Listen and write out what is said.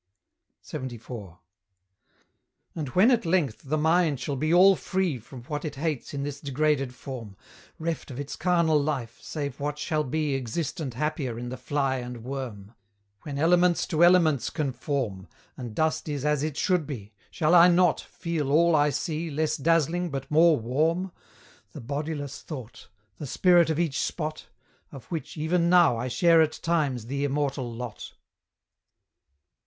LXXIV. And when, at length, the mind shall be all free From what it hates in this degraded form, Reft of its carnal life, save what shall be Existent happier in the fly and worm, When elements to elements conform, And dust is as it should be, shall I not Feel all I see, less dazzling, but more warm? The bodiless thought? the Spirit of each spot? Of which, even now, I share at times the immortal lot?